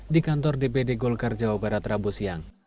di kantor dpd golkar jawa barat rabu siang